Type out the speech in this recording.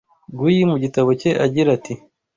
Guyi mu gitabo cye agira ati